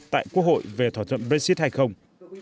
tại quốc hội về thỏa thuận brexit hay không